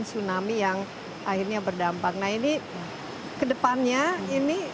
tsunami yang akhirnya berdampak nah ini kedepannya ini